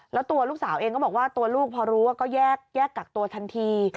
แล้วตัวลูกสาวเองก็บอกว่าตัวลูกพอรู้ว่าก็แยกกักตัวทันที